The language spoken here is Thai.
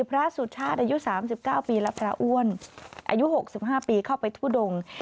พระสุชาติอายุสามสิบเก้าปีและพระอ้วนอายุหกสิบห้าปีเข้าไปทุดง